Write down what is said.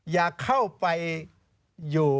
อย่าเข้าไปอยู่